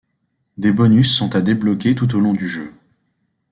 Des bonus sont à débloquer tout au long du jeu.